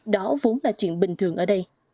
đó vốn là chuyện bình thường ở đây